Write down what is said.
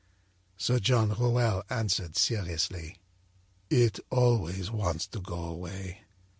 âSir John Rowell answered seriously: â'It always wants to go away.